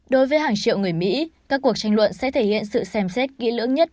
đối với hàng triệu người mỹ các cuộc tranh luận sẽ thể hiện sự xem xét kỹ lưỡng nhất